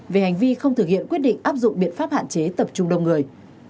về hành vi không thực hiện quyết định áp dụng biện pháp hạn chế tập trung đông người